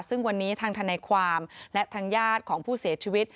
ซึ่งวันนี้ทางทนายความและทางญาติของผู้เสียชีวิต